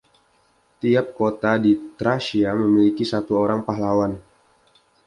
Tiap kota di Thracia memiliki satu orang pahlawan.